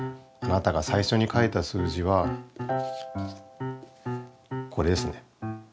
あなたが最初に書いた数字はこれですね。